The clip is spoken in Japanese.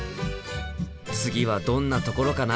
次はどんなところかな。